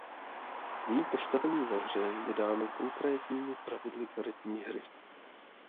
Její postavení ve hře je dáno konkrétními pravidly karetní hry.